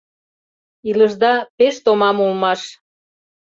— Илышда пеш томам улмаш...